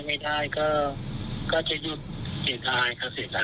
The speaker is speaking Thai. ได้ไม่ได้ก็จะหยุดเสียดายค่ะเสียดาย